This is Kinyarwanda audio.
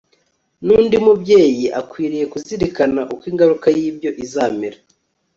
nundi mubyeyi akwiriye kuzirikana uko ingaruka yibyo izamera